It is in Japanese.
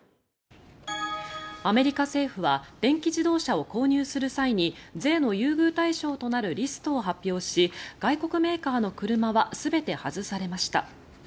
アメリカ政府は電気自動車を購入する際に税の優遇対象となるリストを発表し外国メーカーの車は全て外されました。